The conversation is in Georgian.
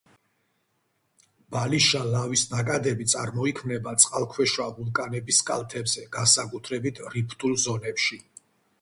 ბალიშა ლავის ნაკადები წარმოიქმნება წყალქვეშა ვულკანების კალთებზე, განსაკუთრებით რიფტულ ზონებში.